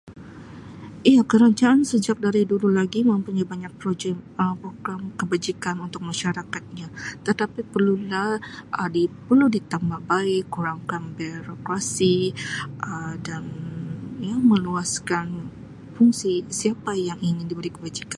Iya kerajaan sejak dari dulu lagi mempunyai banyak projek Um program kebajikan untuk masyarakatnya tetapi perlu lah Um di perlu di tambah baik kurangkan birokrasi Um dan meluaskan fungsi siapa yang ingin diberi kebajikan.